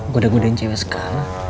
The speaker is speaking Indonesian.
goda goda yang cewek sekali